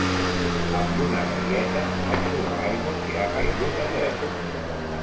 Amb una baieta, eixugar l'aigua que ha caigut a terra.